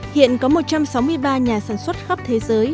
hiện có một trăm sáu mươi ba nhà sản xuất khắp thế giới